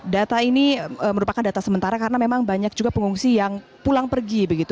data ini merupakan data sementara karena memang banyak juga pengungsi yang pulang pergi begitu